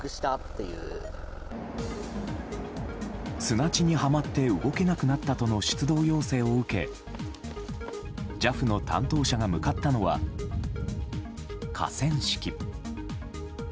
砂地にはまって動けなくなったとの出動要請を受けＪＡＦの担当者が向かったのは河川敷。